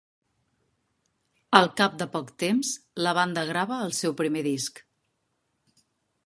Al cap de poc temps la banda grava el seu primer disc.